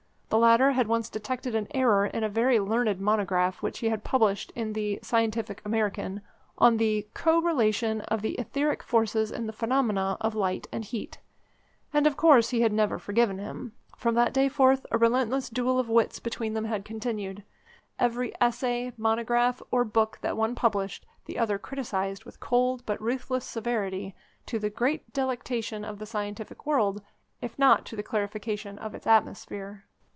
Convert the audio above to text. The latter had once detected an error in a very learned monograph which he had published in the Scientific American on the "Co Relation of the Etheric Forces in the Phenomena of Light and Heat," and of course he had never forgiven him. From that day forth a relentless duel of wits between them had continued. Every essay, monograph, or book that the one published, the other criticised with cold but ruthless severity, to the great delectation of the scientific world, if not to the clarification of its atmosphere.